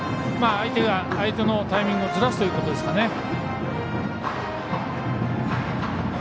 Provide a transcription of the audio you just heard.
相手のタイミングをずらすということですかね。